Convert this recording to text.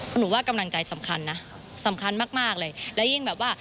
หนูว่ากำลังใจสำคัญนะสำคัญมากมากเลยและยิ่งแบบว่า